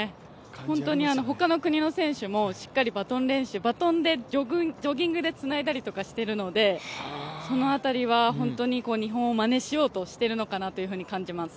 本当に他の国の選手もしっかりバトン練習、バトンで、ジョギングでつないだりとかしているのでその辺りは日本をまねしようとしてるのかなと感じます。